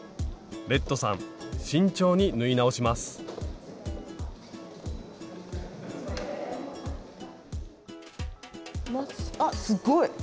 レッドさん慎重に縫い直しますあっすっごい！